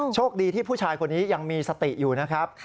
โชคดีที่ผู้ชายคนนี้ยังมีสติอยู่นะครับ